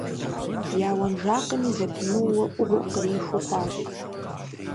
Я уэнжакъми зэпымыууэ Ӏугъуэ къриху хъуащ.